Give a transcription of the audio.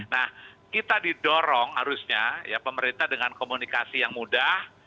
nah kita didorong harusnya ya pemerintah dengan komunikasi yang mudah